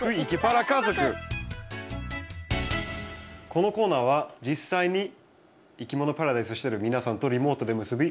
このコーナーは実際にいきものパラダイスしてる皆さんとリモートで結び